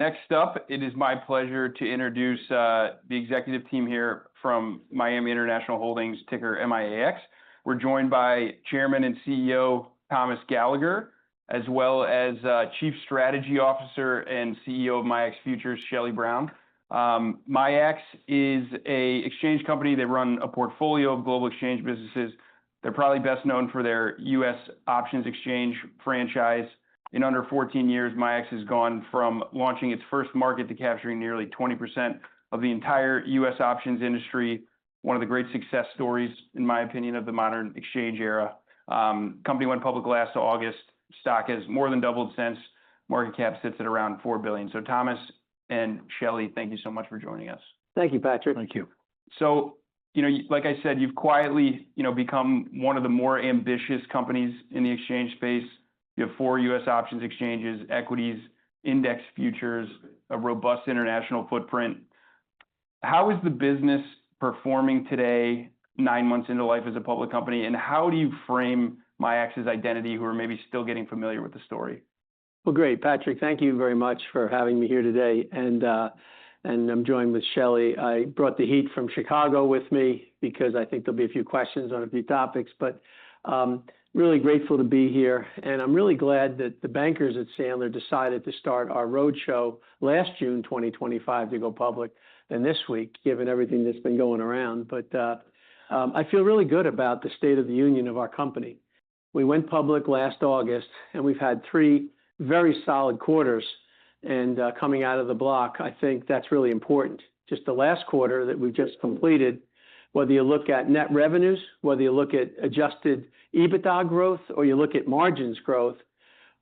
Next up, it is my pleasure to introduce the executive team here from Miami International Holdings, ticker MIAX. We're joined by Chairman and CEO, Thomas Gallagher, as well as Chief Strategy Officer and CEO of MIAX Futures, Shelly Brown. MIAX is an exchange company. They run a portfolio of global exchange businesses. They're probably best known for their U.S. options exchange franchise. In under 14 years, MIAX has gone from launching its first market to capturing nearly 20% of the entire U.S. options industry. One of the great success stories, in my opinion, of the modern exchange era. Company went public last August. Stock has more than doubled since. Market cap sits at around $4 billion. Thomas and Shelly, thank you so much for joining us. Thank you, Patrick. Thank you. Like I said, you've quietly become one of the more ambitious companies in the exchange space. You have four U.S. options exchanges, equities, index futures, a robust international footprint. How is the business performing today, nine months into life as a public company, and how do you frame MIAX's identity who are maybe still getting familiar with the story? Well, great, Patrick, thank you very much for having me here today. I'm joined with Shelly. I brought the heat from Chicago with me because I think there'll be a few questions on a few topics, but I'm really grateful to be here, and I'm really glad that the bankers at Sandler decided to start our roadshow last June 2025 to go public than this week, given everything that's been going around. I feel really good about the state of the union of our company. We went public last August, and we've had three very solid quarters and coming out of the block, I think that's really important. Just the last quarter that we've just completed, whether you look at net revenues, whether you look at Adjusted EBITDA growth, or you look at margins growth,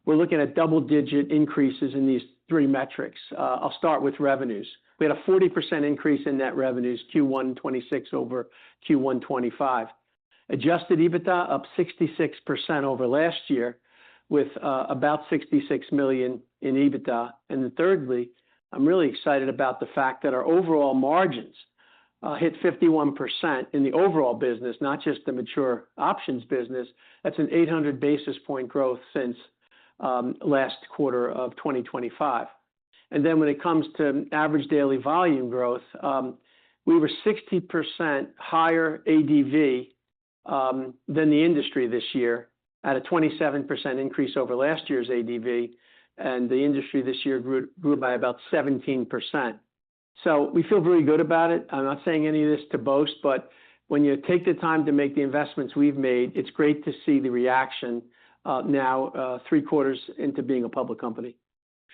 we're looking at double-digit increases in these three metrics. I'll start with revenues. We had a 40% increase in net revenues, Q1 2026 over Q1 2025. Adjusted EBITDA up 66% over last year with about $66 million in EBITDA. Thirdly, I'm really excited about the fact that our overall margins hit 51% in the overall business, not just the mature options business. That's an 800-basis point growth since last quarter of 2025. When it comes to average daily volume growth, we were 60% higher ADV than the industry this year at a 27% increase over last year's ADV. The industry this year grew by about 17%. We feel really good about it. I'm not saying any of this to boast, but when you take the time to make the investments we've made, it's great to see the reaction now three quarters into being a public company.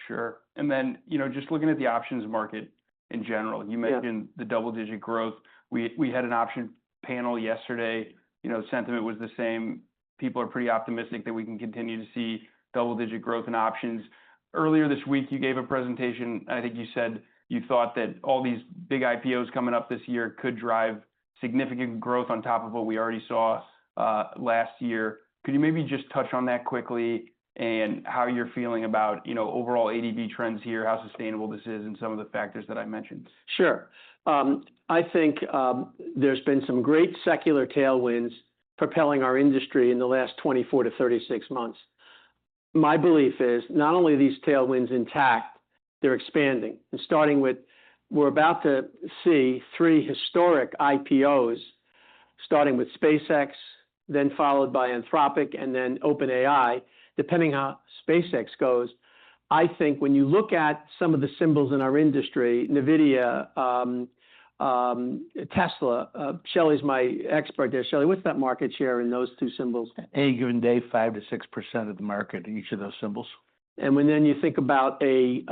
Sure. Then, just looking at the options market in general. Yeah You mentioned the double-digit growth. We had an option panel yesterday. The sentiment was the same. People are pretty optimistic that we can continue to see double-digit growth in options. Earlier this week, you gave a presentation. I think you said you thought that all these big IPOs coming up this year could drive significant growth on top of what we already saw last year. Could you maybe just touch on that quickly and how you're feeling about overall ADV trends here, how sustainable this is, and some of the factors that I mentioned? Sure. I think there's been some great secular tailwinds propelling our industry in the last 24-36 months. My belief is not only are these tailwinds intact, they're expanding. Starting with we're about to see three historic IPOs, starting with SpaceX, then followed by Anthropic, and then OpenAI. Depending on how SpaceX goes, I think when you look at some of the symbols in our industry, NVIDIA, Tesla. Shelly's my expert there. Shelly, what's that market share in those two symbols? Any given day, 5%-6% of the market in each of those symbols. When then you think about a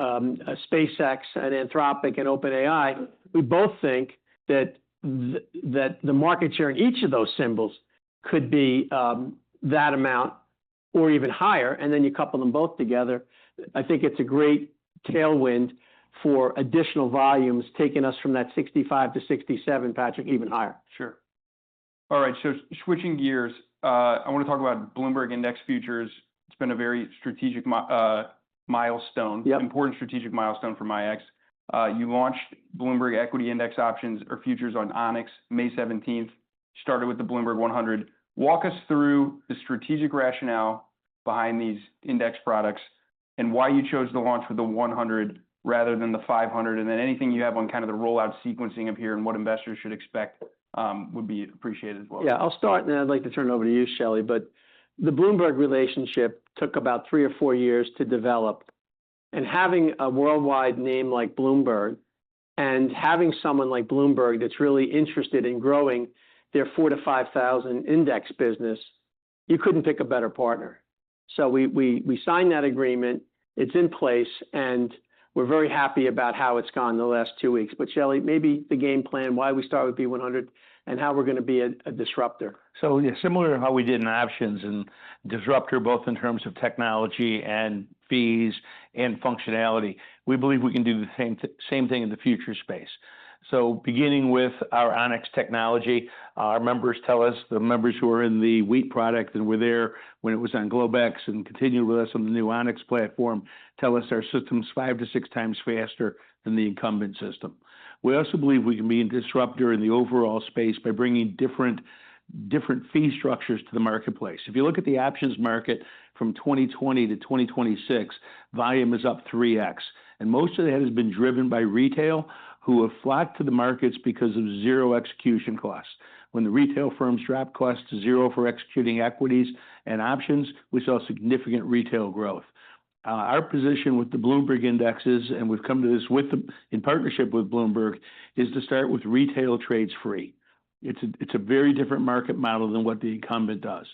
SpaceX, an Anthropic, an OpenAI, we both think that the market share in each of those symbols could be that amount or even higher, and then you couple them both together. I think it's a great tailwind for additional volumes taking us from that 65-67, Patrick, even higher. Sure. All right, switching gears. I want to talk about Bloomberg Index Futures. It's been a very important strategic milestone for MIAX. You launched Bloomberg Equity Index options or futures on Onyx May 17th, started with the Bloomberg 100. Walk us through the strategic rationale behind these index products and why you chose to launch with the 100 rather than the 500, anything you have on kind of the rollout sequencing of here and what investors should expect would be appreciated as well. Yeah. I'll start, then I'd like to turn it over to you, Shelly. The Bloomberg relationship took about three or four years to develop. Having a worldwide name like Bloomberg and having someone like Bloomberg that's really interested in growing their 4,000-5,000 index business, you couldn't pick a better partner. We signed that agreement. It's in place, and we're very happy about how it's gone the last two weeks. Shelly, maybe the game plan, why we start with B100 and how we're going to be a disruptor. Yeah, similar to how we did in options and disruptor, both in terms of technology and fees and functionality. We believe we can do the same thing in the future space. Beginning with our Onyx technology, our members tell us the members who are in the wheat product and were there when it was on Globex and continue with us on the new Onyx platform tell us our system's five to six times faster than the incumbent system. We also believe we can be a disruptor in the overall space by bringing different fee structures to the marketplace. If you look at the options market from 2020-2026, volume is up 3x. Most of that has been driven by retail who have flocked to the markets because of zero execution costs. When the retail firms drop costs to zero for executing equities and options, we saw significant retail growth. Our position with the Bloomberg indexes, and we've come to this in partnership with Bloomberg, is to start with retail trades free. It's a very different market model than what the incumbent does.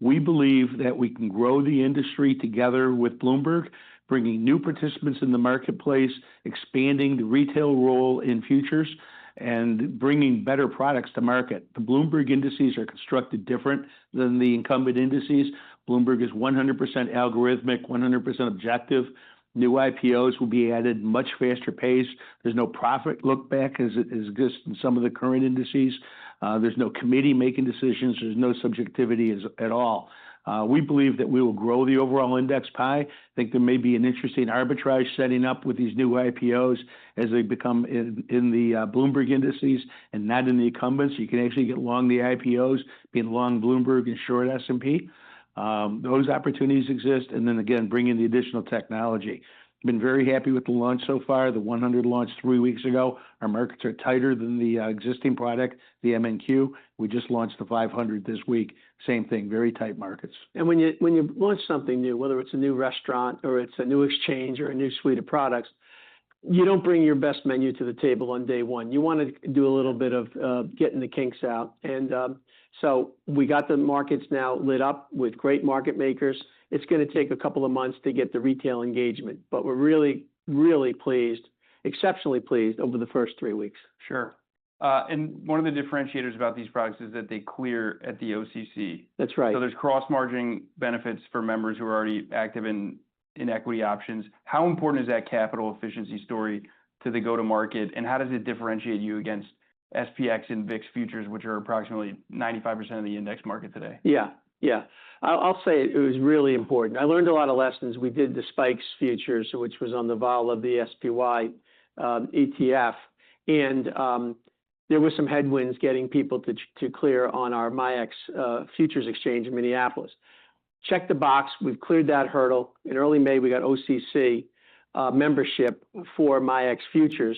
We believe that we can grow the industry together with Bloomberg, bringing new participants in the marketplace, expanding the retail role in futures, and bringing better products to market. The Bloomberg indices are constructed different than the incumbent indices. Bloomberg is 100% algorithmic, 100% objective. New IPOs will be added much faster pace. There's no profit look back as exists in some of the current indices. There's no committee making decisions. There's no subjectivity at all. We believe that we will grow the overall index pie. Think there may be an interesting arbitrage setting up with these new IPOs as they become in the Bloomberg indices and not in the incumbents. You can actually get long the IPOs, be it long Bloomberg and short S&P. Those opportunities exist and then again, bring in the additional technology. We have been very happy with the launch so far. The 100 launched three weeks ago. Our markets are tighter than the existing product, the MNQ. We just launched the B500 this week. Same thing. Very tight markets. When you launch something new, whether it's a new restaurant or it's a new exchange or a new suite of products, you don't bring your best menu to the table on day one. You want to do a little bit of getting the kinks out. We got the markets now lit up with great market-makers. It's going to take a couple of months to get the retail engagement, but we're really, really pleased, exceptionally pleased over the first three weeks. Sure. One of the differentiators about these products is that they clear at the OCC. That's right. There's cross-margining benefits for members who are already active in equity options. How important is that capital efficiency story to the go to market, and how does it differentiate you against SPX and VIX futures, which are approximately 95% of the index market today? Yeah. I'll say it was really important. I learned a lot of lessons. We did the SPIKES Futures, which was on the vol of the SPY ETF. There were some headwinds getting people to clear on our MIAX Futures exchange in Minneapolis. Check the box. We've cleared that hurdle. In early May, we got OCC membership for MIAX Futures,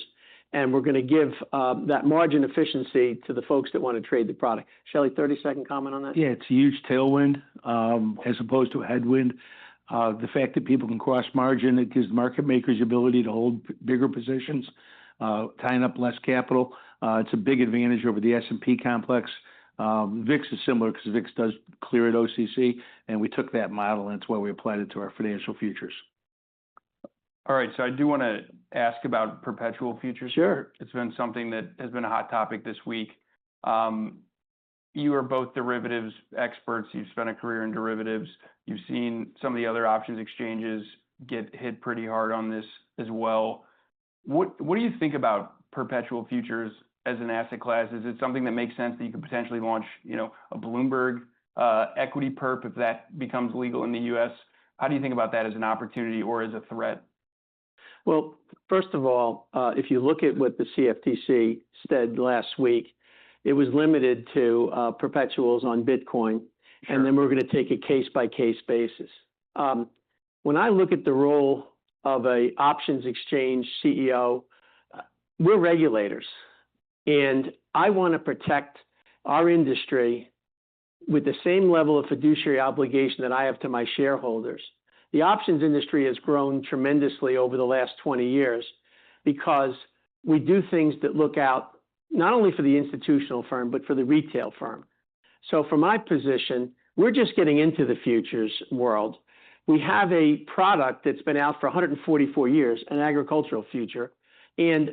and we're going to give that margin efficiency to the folks that want to trade the product. Shelly, 30-second comment on that? Yeah. It's a huge tailwind, as opposed to a headwind. The fact that people can cross-margin, it gives market-makers ability to hold bigger positions tying up less capital. It's a big advantage over the S&P complex. VIX is similar because VIX does clear at OCC, and we took that model and that's why we applied it to our financial futures. All right. I do want to ask about perpetual futures. Sure. It's been something that has been a hot topic this week. You are both derivatives experts. You've spent a career in derivatives. You've seen some of the other options exchanges get hit pretty hard on this as well. What do you think about perpetual futures as an asset class? Is it something that makes sense that you could potentially launch a Bloomberg equity perp if that becomes legal in the U.S.? How do you think about that as an opportunity or as a threat? First of all, if you look at what the CFTC said last week, it was limited to perpetuals on Bitcoin. Sure. We're going to take a case-by-case basis. When I look at the role of a options exchange CEO, we're regulators, and I want to protect our industry with the same level of fiduciary obligation that I have to my shareholders. The options industry has grown tremendously over the last 20 years because we do things that look out not only for the institutional firm but for the retail firm. From my position, we're just getting into the futures world. We have a product that's been out for 144 years, an agricultural future, a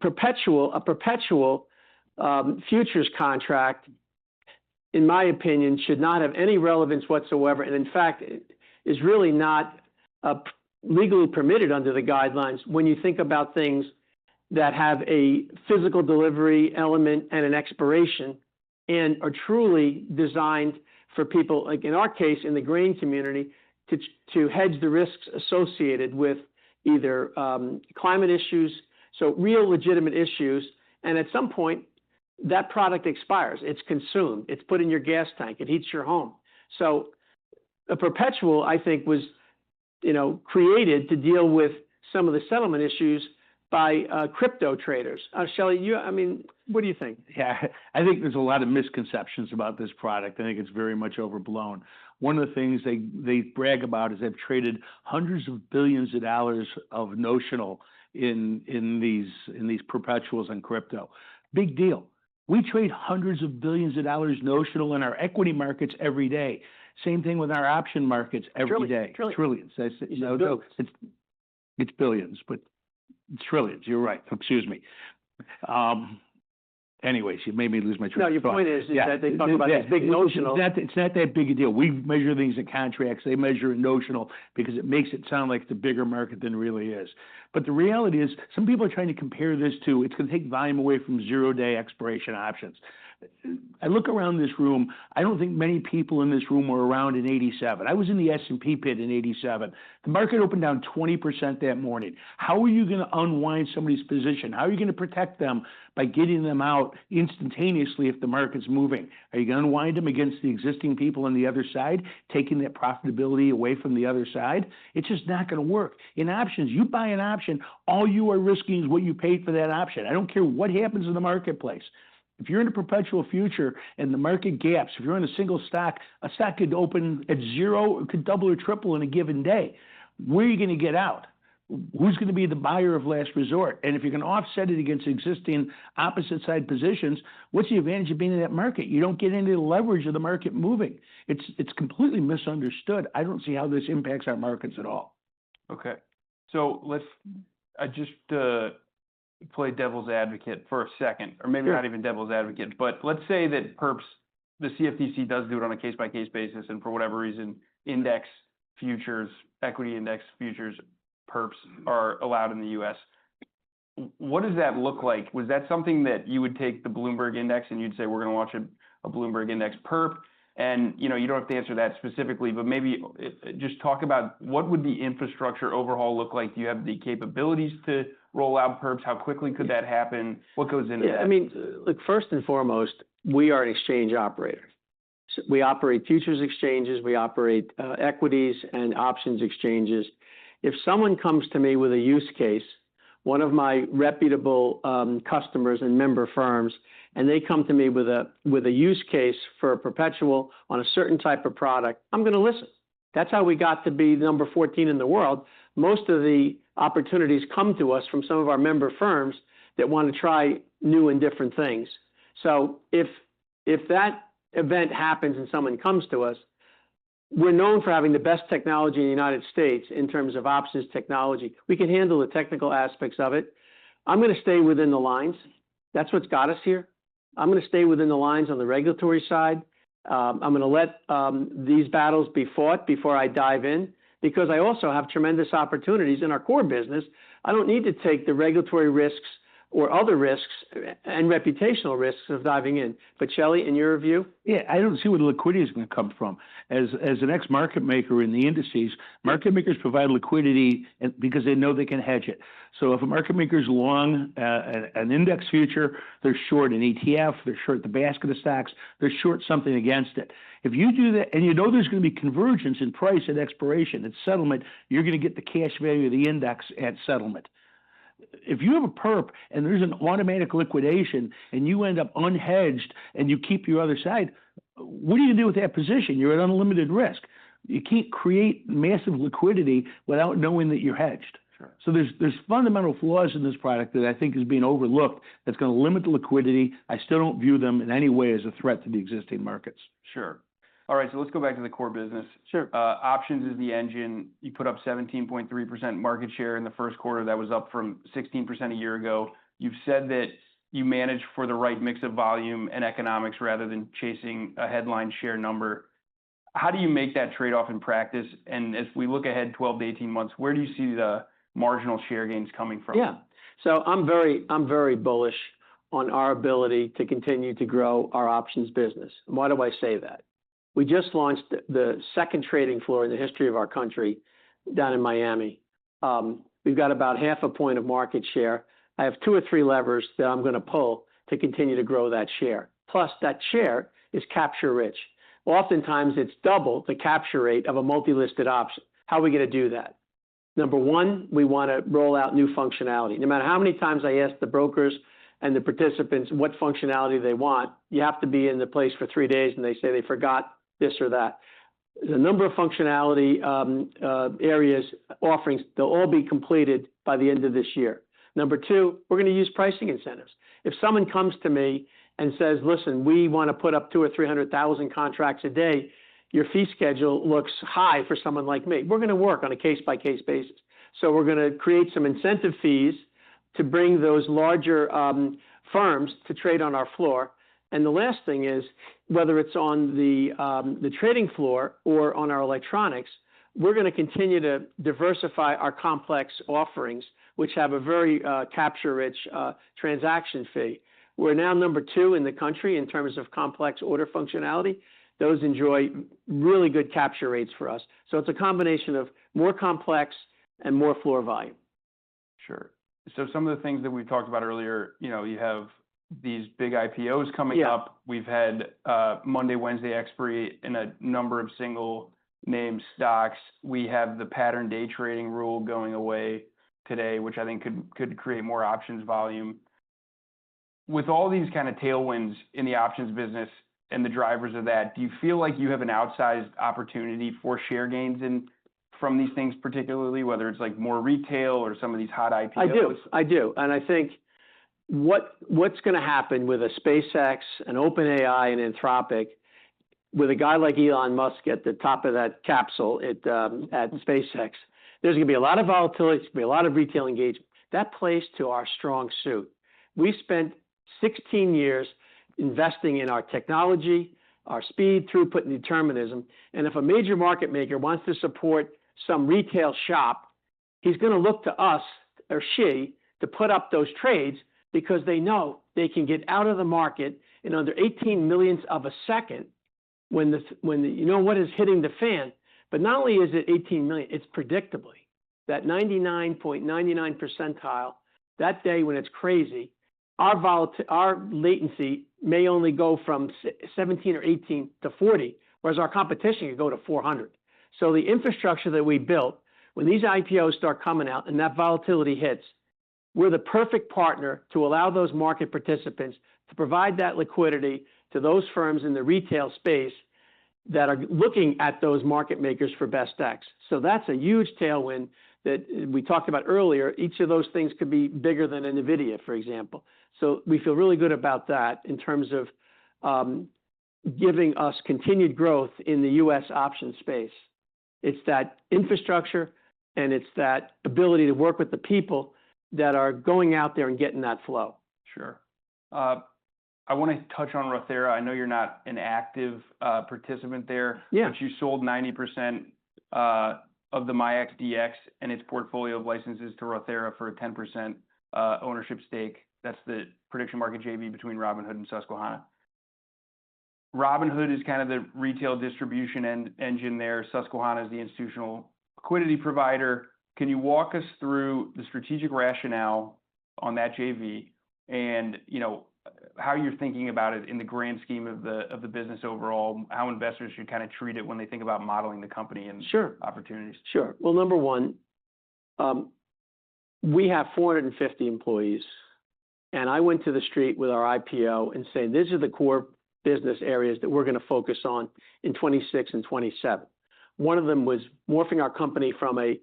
perpetual futures contract, in my opinion, should not have any relevance whatsoever, in fact, is really not legally permitted under the guidelines when you think about things that have a physical delivery element and an expiration and are truly designed for people, like in our case, in the grain community, to hedge the risks associated with either climate issues, so real legitimate issues. At some point, that product expires. It's consumed. It's put in your gas tank. It heats your home. A perpetual, I think, was created to deal with some of the settlement issues by crypto traders. Shelly, what do you think? Yeah. I think there's a lot of misconceptions about this product. I think it's very much overblown. One of the things they brag about is they've traded hundreds of billions of dollars of notional in these perpetuals in crypto. Big deal. We trade hundreds of billions of dollars notional in our equity markets every day. Same thing with our option markets every day. Trillions. Trillions. No, it's billions. Trillions, you're right. Excuse me. Anyways, you made me lose my train of thought. Your point is that they talk about this big notional- Yeah. It's not that big a deal. We measure things in contracts. They measure in notional because it makes it sound like it's a bigger market than it really is. The reality is some people are trying to compare this to, it's going to take volume away from zero-day expiration options. I look around this room, I don't think many people in this room were around in 1987. I was in the S&P pit in 1987. The market opened down 20% that morning. How are you going to unwind somebody's position? How are you going to protect them by getting them out instantaneously if the market's moving? Are you going to unwind them against the existing people on the other side, taking that profitability away from the other side? It's just not going to work. In options, you buy an option, all you are risking is what you paid for that option. I don't care what happens in the marketplace. If you're in a perpetual future and the market gaps, if you're in a single stock, a stock could open at zero, it could double or triple in a given day. Where are you going to get out? Who's going to be the buyer of last resort? If you can offset it against existing opposite side positions, what's the advantage of being in that market? You don't get any of the leverage of the market moving. It's completely misunderstood. I don't see how this impacts our markets at all. Okay. Let's just play devil's advocate for a second. Sure. Maybe not even devil's advocate, but let's say that perps, the CFTC does do it on a case-by-case basis, and for whatever reason, index futures, equity index futures perps are allowed in the U.S. What does that look like? Was that something that you would take the Bloomberg Index and you'd say, "We're going to launch a Bloomberg Index perp"? You don't have to answer that specifically, but maybe just talk about what would the infrastructure overhaul look like? Do you have the capabilities to roll out perps? How quickly could that happen? What goes into that? Yeah. Look, first and foremost, we are an exchange operator. We operate futures exchanges, we operate equities and options exchanges. If someone comes to me with a use case, one of my reputable customers and member firms, and they come to me with a use case for a perpetual on a certain type of product, I'm going to listen. That's how we got to be number 14 in the world. Most of the opportunities come to us from some of our member firms that want to try new and different things. If that event happens and someone comes to us, we're known for having the best technology in the United States in terms of options technology. We can handle the technical aspects of it. I'm going to stay within the lines. That's what's got us here. I'm going to stay within the lines on the regulatory side. I'm going to let these battles be fought before I dive in because I also have tremendous opportunities in our core business. I don't need to take the regulatory risks or other risks and reputational risks of diving in. Shelly, in your view? Yeah. I don't see where the liquidity is going to come from. As an ex-market maker in the indices, market makers provide liquidity because they know they can hedge it. If a market maker's long an index future, they're short an ETF, they're short the basket of stocks, they're short something against it. If you do that and you know there's going to be convergence in price at expiration, at settlement, you're going to get the cash value of the index at settlement. If you have a perp and there's an automatic liquidation and you end up unhedged and you keep your other side, what do you do with that position? You're at unlimited risk. You can't create massive liquidity without knowing that you're hedged. Sure. There's fundamental flaws in this product that I think is being overlooked that's going to limit the liquidity. I still don't view them in any way as a threat to the existing markets. Sure. All right. Let's go back to the core business. Sure. Options is the engine. You put up 17.3% market share in the first quarter. That was up from 16% one year ago. You've said that you manage for the right mix of volume and economics rather than chasing a headline share number. How do you make that trade-off in practice? As we look ahead 12-18 months, where do you see the marginal share gains coming from? Yeah. I'm very bullish on our ability to continue to grow our options business. Why do I say that? We just launched the second trading floor in the history of our country down in Miami. We've got about 0.5 point of market share. I have two or three levers that I'm going to pull to continue to grow that share. Plus, that share is capture rich. Oftentimes, it's double the capture rate of a multi-listed option. How are we going to do that? Number one, we want to roll out new functionality. No matter how many times I ask the brokers and the participants what functionality they want, you have to be in the place for three days and they say they forgot this or that. The number of functionality areas, offerings, they'll all be completed by the end of this year. Number two, we're going to use pricing incentives. If someone comes to me and says, "Listen, we want to put up 200,000 or 300,000 contracts a day, your fee schedule looks high for someone like me," we're going to work on a case-by-case basis. We're going to create some incentive fees to bring those larger firms to trade on our floor. The last thing is, whether it's on the trading floor or on our electronics, we're going to continue to diversify our complex offerings, which have a very capture-rich transaction fee. We're now number two in the country in terms of complex order functionality. Those enjoy really good capture rates for us. It's a combination of more complex and more floor volume. Sure. Some of the things that we talked about earlier, you have these big IPOs coming up. Yeah. We've had Monday, Wednesday expiry in a number of single name stocks. We have the pattern day trading rule going away today, which I think could create more options volume. With all these kind of tailwinds in the options business and the drivers of that, do you feel like you have an outsized opportunity for share gains from these things particularly, whether it's more retail or some of these hot IPOs? I do. I think what's going to happen with a SpaceX, an OpenAI, an Anthropic. With a guy like Elon Musk at the top of that capsule at SpaceX, there's going to be a lot of volatility. There's going to be a lot of retail engagement. That plays to our strong suit. We spent 16 years investing in our technology, our speed, throughput, and determinism. If a major market maker wants to support some retail shop, he's going to look to us, or she, to put up those trades because they know they can get out of the market in under 18 millionths of a second when you know what is hitting the fan. Not only is it 18 millionths, it's predictably. That 99.99 percentile, that day when it's crazy, our latency may only go from 17 or 18 to 40, whereas our competition could go to 400. The infrastructure that we built, when these IPOs start coming out and that volatility hits, we're the perfect partner to allow those market participants to provide that liquidity to those firms in the retail space that are looking at those market makers for best execs. That's a huge tailwind that we talked about earlier. Each of those things could be bigger than Nvidia, for example. We feel really good about that in terms of giving us continued growth in the U.S. options space. It's that infrastructure and it's that ability to work with the people that are going out there and getting that flow. Sure. I want to touch on MIAXdx. I know you're not an active participant there. Yeah. You sold 90% of the MIAXdx and its portfolio of licenses to Rothira for a 10% ownership stake. That's the prediction market JV between Robinhood and Susquehanna. Robinhood is kind of the retail distribution engine there. Susquehanna is the institutional liquidity provider. Can you walk us through the strategic rationale on that JV and how you're thinking about it in the grand scheme of the business overall, how investors should kind of treat it when they think about modeling the company? Sure opportunities? Sure. Well, number one, we have 450 employees, and I went to the street with our IPO and said, "These are the core business areas that we're going to focus on in 2026 and 2027." One of them was morphing our company from a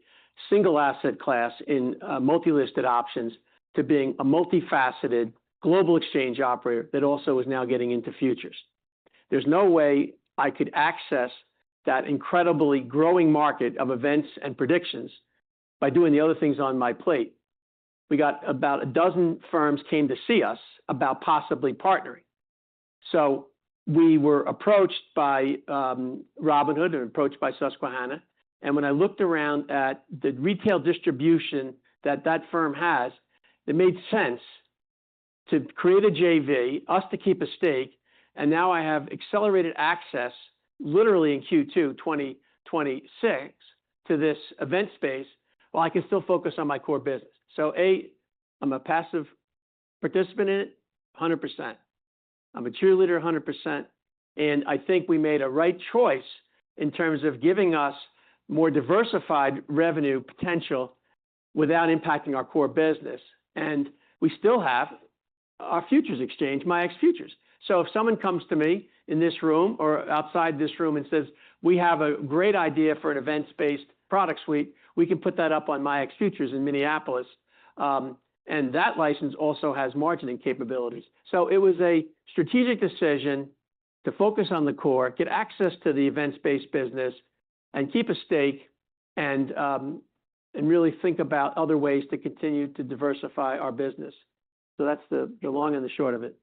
single asset class in multi-listed options to being a multifaceted global exchange operator that also is now getting into futures. There's no way I could access that incredibly growing market of events and predictions by doing the other things on my plate. We got about 12 firms came to see us about possibly partnering. We were approached by Robinhood and approached by Susquehanna, and when I looked around at the retail distribution that that firm has, it made sense to create a JV, us to keep a stake, and now I have accelerated access, literally in Q2 2026, to this event space while I can still focus on my core business. A., I'm a passive participant in it, 100%. I'm a cheerleader, 100%. I think we made a right choice in terms of giving us more diversified revenue potential without impacting our core business. We still have our futures exchange, MIAX Futures. If someone comes to me in this room or outside this room and says, "We have a great idea for an events-based product suite," we can put that up on MIAX Futures in Minneapolis. That license also has margining capabilities. It was a strategic decision to focus on the core, get access to the events-based business, and keep a stake and really think about other ways to continue to diversify our business. That's the long and the short of it.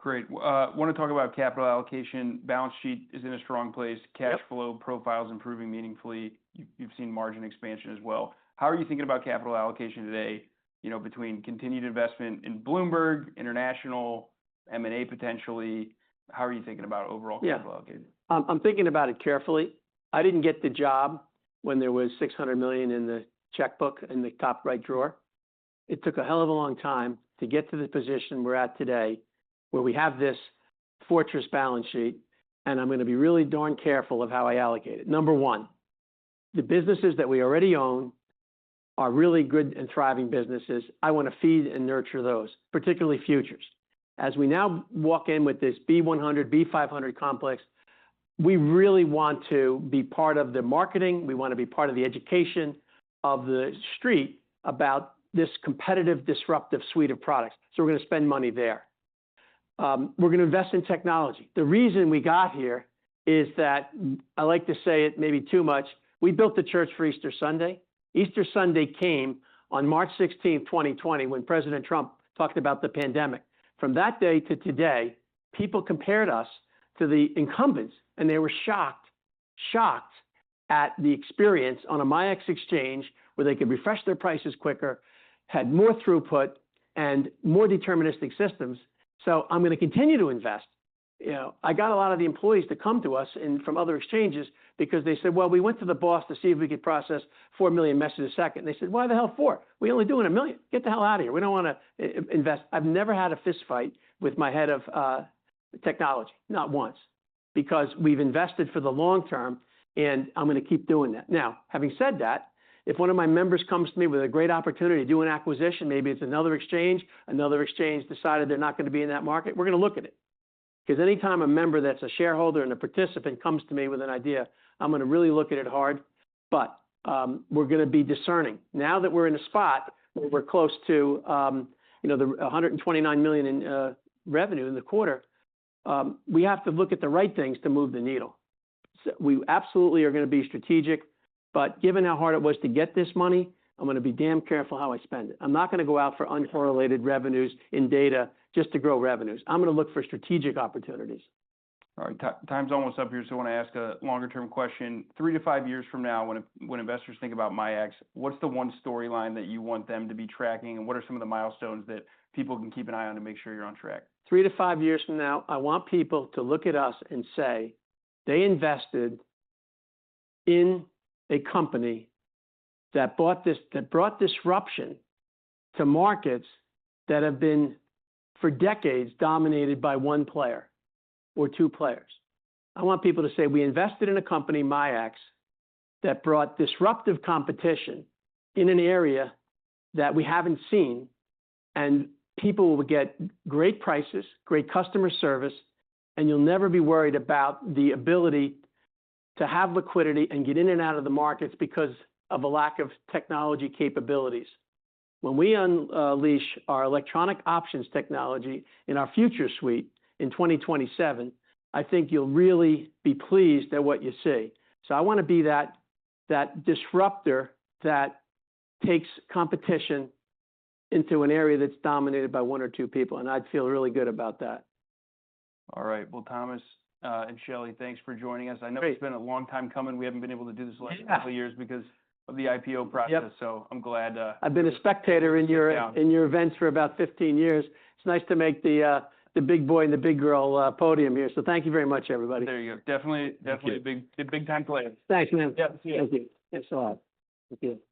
Great. Want to talk about capital allocation. Balance sheet is in a strong place. Yep. Cash flow profile's improving meaningfully. You've seen margin expansion as well. How are you thinking about capital allocation today between continued investment in Bloomberg, international M&A potentially? How are you thinking about overall capital allocation? I'm thinking about it carefully. I didn't get the job when there was $600 million in the checkbook in the top right drawer. It took a hell of a long time to get to the position we're at today, where we have this fortress balance sheet, and I'm going to be really darn careful of how I allocate it. Number one, the businesses that we already own are really good and thriving businesses. I want to feed and nurture those, particularly futures. As we now walk in with this B100, B500 complex, we really want to be part of the marketing. We want to be part of the education of the street about this competitive, disruptive suite of products. We're going to spend money there. We're going to invest in technology. The reason we got here is that, I like to say it maybe too much, we built the church for Easter Sunday. Easter Sunday came on March 16th, 2020, when President Trump talked about the pandemic. From that day to today, people compared us to the incumbents, and they were shocked at the experience on a MIAX exchange where they could refresh their prices quicker, had more throughput, and more deterministic systems. I'm going to continue to invest. I got a lot of the employees to come to us from other exchanges because they said, "Well, we went to the boss to see if we could process 4 million messages a second." They said, "Why the hell four? We only doing 1 million. Get the hell out of here. We don't want to invest." I've never had a fistfight with my head of technology, not once, because we've invested for the long term, and I'm going to keep doing that. Having said that, if one of my members comes to me with a great opportunity to do an acquisition, maybe it's another exchange, another exchange decided they're not going to be in that market, we're going to look at it. Anytime a member that's a shareholder and a participant comes to me with an idea, I'm going to really look at it hard. We're going to be discerning. That we're in a spot where we're close to the $129 million in revenue in the quarter, we have to look at the right things to move the needle. We absolutely are going to be strategic, but given how hard it was to get this money, I'm going to be damn careful how I spend it. I'm not going to go out for uncorrelated revenues in data just to grow revenues. I'm going to look for strategic opportunities. All right. Time's almost up here, so I want to ask a longer-term question. Three to five years from now, when investors think about MIAX, what's the one storyline that you want them to be tracking, and what are some of the milestones that people can keep an eye on to make sure you're on track? Three to five years from now, I want people to look at us and say they invested in a company that brought disruption to markets that have been, for decades, dominated by one player or two players. I want people to say, "We invested in a company, MIAX, that brought disruptive competition in an area that we haven't seen," and people would get great prices, great customer service, and you'll never be worried about the ability to have liquidity and get in and out of the markets because of a lack of technology capabilities. When we unleash our electronic options technology in our futures suite in 2027, I think you'll really be pleased at what you see. I want to be that disruptor that takes competition into an area that's dominated by one or two people, and I'd feel really good about that. All right. Well, Thomas and Shelly, thanks for joining us. Great. I know it's been a long time coming. We haven't been able to do this. Yeah couple years because of the IPO process. Yep. So I'm glad- I've been a spectator. You sat down. Events for about 15 years. It's nice to make the big boy and the big girl podium here. Thank you very much, everybody. There you go. Thank you. big time players. Thanks, man. Yep, see you. Thank you. Thanks a lot. Take care.